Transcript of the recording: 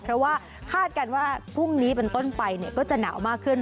เพราะว่าคาดกันว่าพรุ่งนี้เป็นต้นไปก็จะหนาวมากขึ้น